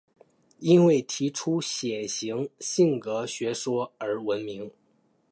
因为提出血型性格学说而闻名。